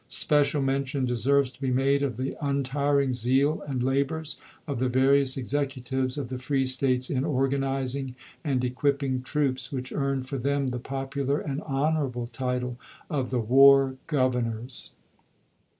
Special mention deserves to be ' made of the untiring zeal and labors of the various executives of the free States in organizing and equipping troops, which earned for them the pop ular and honorable title of the " war governors."